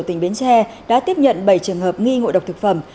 tỉnh bến tre đã tiếp nhận bảy trường hợp nghi ngộ độc thực phẩm